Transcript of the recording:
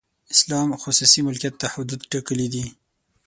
اسلام خصوصي ملکیت ته حدود ټاکلي دي.